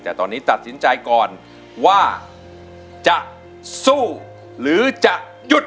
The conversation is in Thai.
แต่ตอนนี้ตัดสินใจก่อนว่าจะสู้หรือจะหยุด